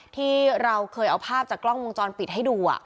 ที่เราเคยเอาภาพจากกล้องวงจรปิดให้ดู